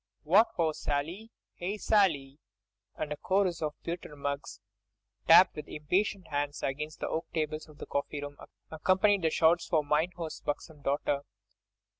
"What ho, Sally! hey, Sally!" And a chorus of pewter mugs, tapped with impatient hands against the oak tables of the coffee room, accompanied the shouts for mine host's buxom daughter.